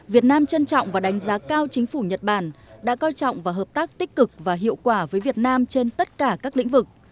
việt nam trân trọng và đánh giá cao chính phủ nhật bản đã coi trọng và hợp tác tích cực và hiệu quả với việt nam trên tất cả các lĩnh vực